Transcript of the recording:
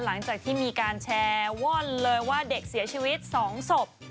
หลังจากที่มีการแชร์ว่อนเลยว่าเด็กเสียชีวิต๒ศพ